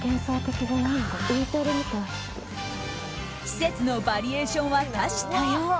施設のバリエーションは多種多様。